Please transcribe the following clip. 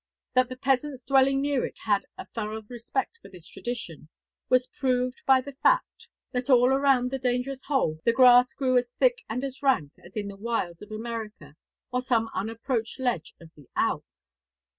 That the peasants dwelling near it had a thorough respect for this tradition, was proved by the fact that all around the dangerous hole 'the grass grew as thick and as rank as in the wilds of America or some unapproached ledge of the Alps.'